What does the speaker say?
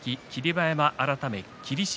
馬山改め霧島